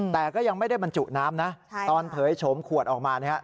แต่ก็ยังไม่ได้บรรจุน้ำนะตอนเผยโฉมขวดออกมา